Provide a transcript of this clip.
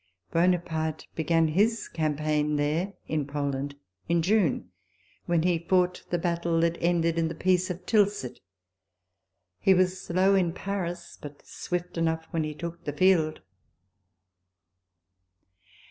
Buonaparte began his campaign there [in Poland] in June, when he fought the battle that ended in the Peace of Tilsit. J He was slow in Paris, but swift enough when he took the field.